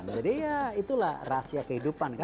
jadi ya itulah rahasia kehidupan kan